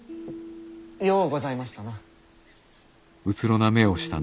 ようございましたな。